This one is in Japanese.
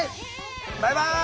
バイバイ！